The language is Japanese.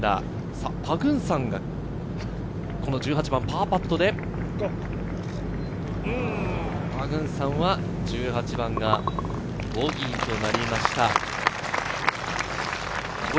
パグンサンが１８番、パーパットで、パグンサンは１８番がボギーとなりました。